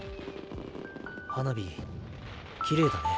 花火きれいだね。